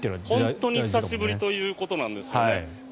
本当に久しぶりということなんですよね。